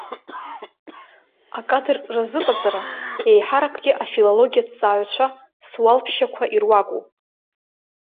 Акадр разыҟаҵара, еиҳаракгьы афилологиаҭҵааҩцәа суалԥшьақәа ируакуп.